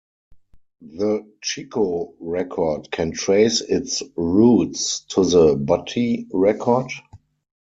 The Chico Record can trace its roots to the Butte Record.